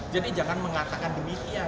jadi jangan mengatakan demikian